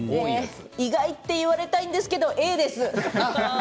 意外って言われたいんですけどＡタイプです。